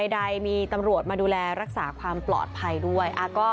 ใดมีตำรวจมาดูแลรักษาความปลอดภัยด้วย